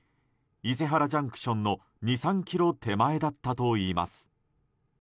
伊勢原ＪＣＴの２３ｋｍ手前だったといいます。